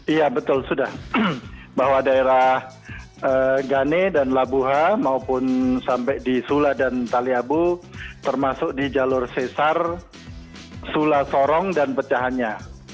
iya betul sudah bahwa daerah gane dan labuha maupun sampai di sula dan taliabu termasuk di jalur sesar sula sorong dan pecahannya